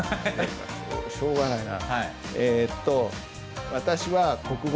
しょうがないな。